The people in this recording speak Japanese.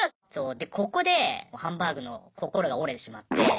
でここでハンバーグの心が折れてしまって。